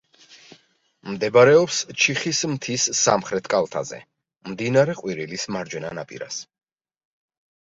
მდებარეობს ჩიხის მთის სამხრეთ კალთაზე, მდინარე ყვირილის მარჯვენა ნაპირას.